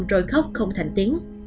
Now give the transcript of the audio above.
rồi khóc không thành tiếng